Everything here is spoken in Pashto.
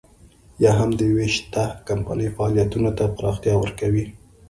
یا هم د يوې شته کمپنۍ فعالیتونو ته پراختیا ورکوي.